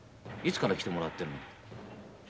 いつから来てもらってるの？